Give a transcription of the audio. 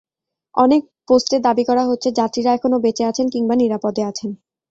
অনেক পোস্টে দাবি করা হচ্ছে, যাত্রীরা এখনো বেঁচে আছেন কিংবা নিরাপদে আছেন।